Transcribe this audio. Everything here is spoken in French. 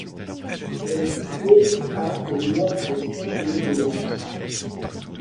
Elle est située à au nord de Saint-Aimé-des-Lacs.